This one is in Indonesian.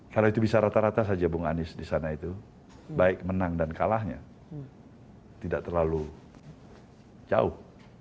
kalau itu bisa rata rata saja bung anies di sana itu baik menang dan kalahnya tidak terlalu jauh